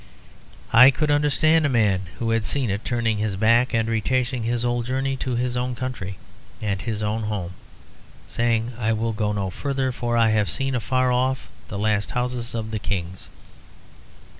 I could understand a man who had seen it turning his back and retracing his whole journey to his own country and his own home, saying, "I will go no further; for I have seen afar off the last houses of the kings."